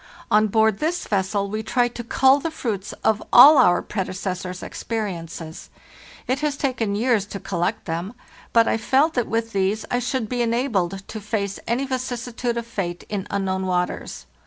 On board this vessel we try to cull the fruits of all our predecessors' experiences. It has taken years to collect them; but I felt that with these I should be enabled to face any vicissitude of fate in unknown waters.